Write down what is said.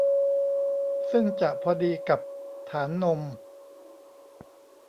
ซึ่งจะพอดีกับฐานนม